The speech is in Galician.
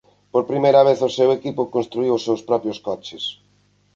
Por primeira vez o seu equipo construíu os seus propios coches.